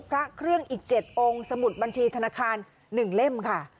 พระเครื่องอีก๗องค์สมุดบัญชีธนาคาร๑เล่มค่ะ